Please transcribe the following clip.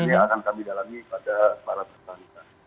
nanti akan kami dalami pada para tersangka